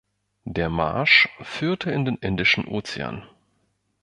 Der Marsch führte in den Indischen Ozean.